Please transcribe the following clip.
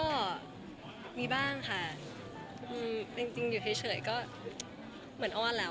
ก็มีบ้างค่ะมีจริงอยู่เฉยก็เหมือนอ้อนแล้ว